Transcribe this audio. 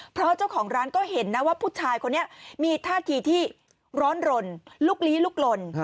เพราะเจ้าของร้านก็เห็นนะว่าผู้ชายคนนี้มีท่าทีที่ร้อนรนลุกลี้ลุกลน